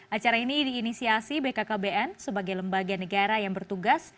acara ini diinisiasi bkkbn sebagai lembaga negara yang bertugas